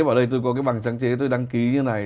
và đây tôi có cái bằng sáng chế tôi đăng ký như thế này